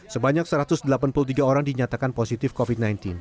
sebanyak satu ratus delapan puluh tiga orang dinyatakan positif covid sembilan belas